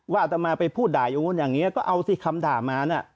ว่าอาจจะมาไปพูดด่ายอย่างนี้ก็เอาสิคำถามมา